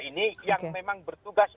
ini yang memang bertugas